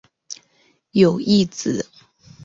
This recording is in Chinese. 有一子。